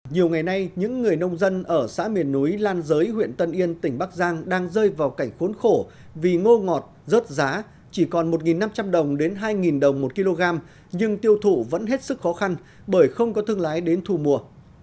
nhiều ngày nay những người nông dân ở xã miền núi lan giới huyện tân yên tỉnh bắc giang đang rơi vào cảnh khốn khổ vì ngô ngọt rớt giá chỉ còn một năm trăm linh đồng đến hai đồng một kg nhưng tiêu thụ vẫn hết sức khó khăn bởi không có thương lái đến thu mua